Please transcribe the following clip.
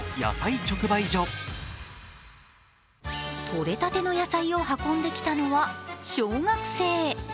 とれたての野菜を運んできたのは小学生。